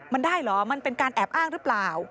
มันได้เหรอมันเป็นการแอบอ้างหรือเปล่า